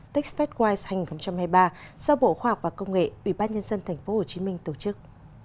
techfestwise hành hai mươi ba do bộ khoa học và công nghệ ubnd tp hcm tổ chức